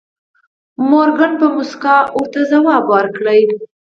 مورګان په موسکا ورته ځواب ورکړ